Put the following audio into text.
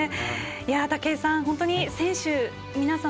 武井さん、本当に選手の皆さん